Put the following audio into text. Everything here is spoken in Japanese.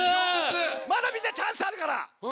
まだみんなチャンスあるから！